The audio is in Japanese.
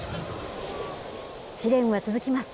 試練は続きます。